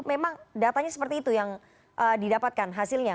memang datanya seperti itu yang didapatkan hasilnya